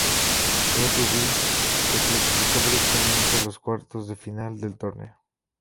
E. Rubí se clasificó directamente a los cuartos de final del torneo.